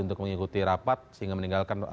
untuk mengikuti rapat sehingga meninggalkan